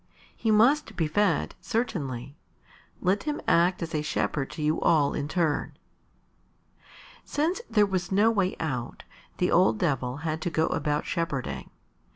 "He must be fed, certainly. Let him act as a shepherd to you all in turn." Since there was no way out, the old Devil had to go about shepherding.